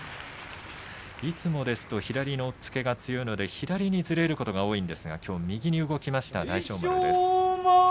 いつもですと左の押っつけが強いので左にずれることが多いんですがきょうは右に動きました大翔丸です。